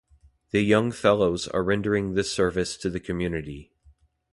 The young fellows are rendering this service to the community.